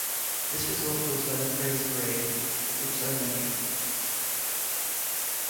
This result goes by the phrase braid groups are linear.